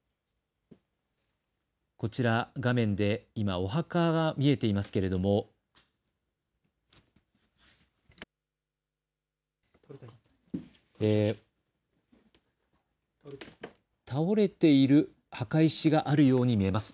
こちら、画面で今、お墓が見えていますけれども倒れている墓石があるように見えます。